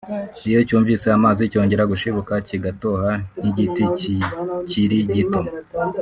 iyo cyumvise amazi cyongera gushibuka kigatoha nk'igiti kikiri gito"